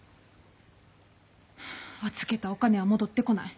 預けたお金は戻ってこない。